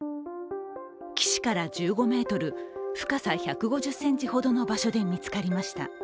岸から１５ｍ、深さ１５０ｃｍほどの場所で見つかりました。